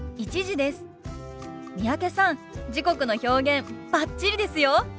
三宅さん時刻の表現バッチリですよ。